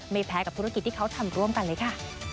ไม่แพ้กับธุรกิจที่เขาทำร่วมกันเลยค่ะ